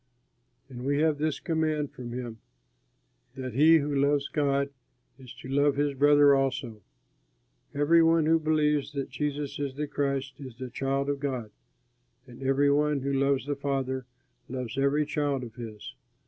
And we have this command from him, that he who loves God is to love his brother also. Every one who believes that Jesus is the Christ, is a child of God; and every one who loves the Father, loves every child of his.